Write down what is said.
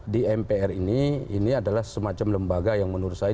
di mpr ini adalah semacam lembaga yang menuruskan